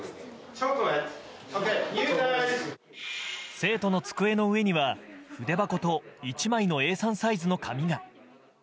生徒の机の上には筆箱と１枚のＡ３サイズの紙が。